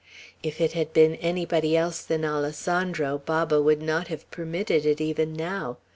If it had been anybody else than Alessandro, Baba would not have permitted it even now.